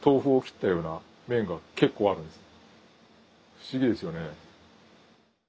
不思議ですよね。